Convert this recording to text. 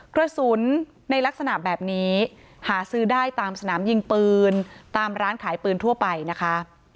กระสุนในลักษณะแบบนี้หาซื้อได้ตามสนามยิงปืนตามร้านขายปืนทั่วไปนะคะ